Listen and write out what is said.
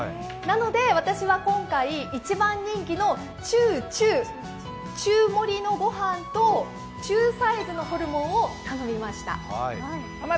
なので私は今回、一番人気の中・中、中盛りのご飯と中サイズのホルモンを頼みました。